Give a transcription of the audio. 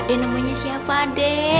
ade namanya siapa dek